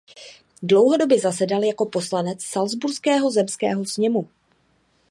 Dlouhodobě zasedal jako poslanec Salcburského zemského sněmu.